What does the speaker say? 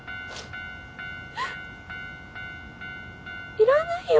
いらないよ